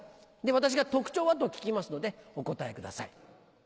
私が「特徴は？」と聞きますのでお答えください。